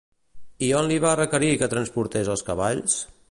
I on li va requerir que transportés els cavalls?